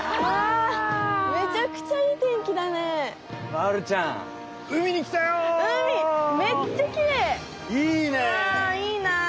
わいいな。